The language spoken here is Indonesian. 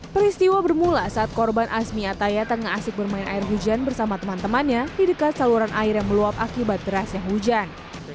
peristiwa bermula saat korban asmi ataya tengah asik bermain air hujan bersama teman temannya di dekat saluran air yang meluap akibat derasnya hujan